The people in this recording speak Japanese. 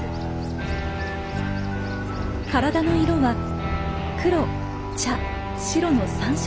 体の色は黒茶白の３色。